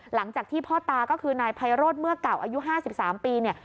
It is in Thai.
หลังจากที่พ่อตาก็คือนายไพโรธเมื่อเก่าอายุ๕๓ปีเนี่ย